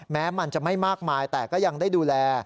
แม้มันจะไม่มากมายแต่ก็ยังได้ดูแล